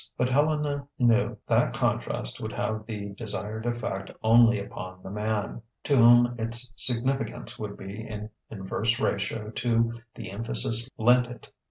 But Helena knew that contrast would have the desired effect only upon the man; to whom its significance would be in inverse ratio to the emphasis lent it.